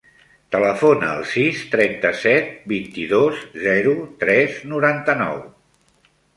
Telefona al sis, trenta-set, vint-i-dos, zero, tres, noranta-nou.